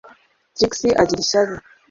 Trix agira ishyari